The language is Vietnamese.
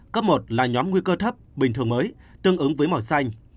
cấp một là nhóm nguy cơ thấp bình thường mới tương ứng với màu xanh